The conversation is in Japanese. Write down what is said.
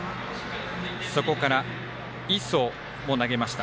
そこから、磯も投げました。